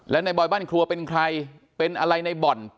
และในบอยบ้านครัวเป็นใครเป็นอะไรในบ่อน